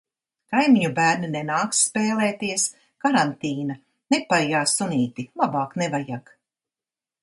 Kaimiņu bērni nenāks spēlēties. Karantīna. Nepaijā sunīti. Labāk nevajag.